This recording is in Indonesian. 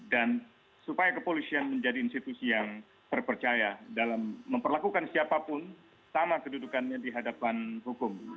dan supaya kepolisian menjadi institusi yang terpercaya dalam memperlakukan siapapun sama kedudukannya di hadapan hukum